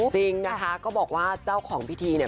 จริงนะคะก็บอกว่าเจ้าของพิธีเนี่ย